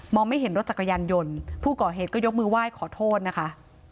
ไม่เห็นรถจักรยานยนต์ผู้ก่อเหตุก็ยกมือไหว้ขอโทษนะคะ